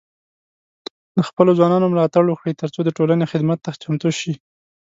د خپلو ځوانانو ملاتړ وکړئ، ترڅو د ټولنې خدمت ته چمتو شي.